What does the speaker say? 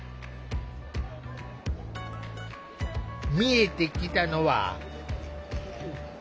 見えてきたのは。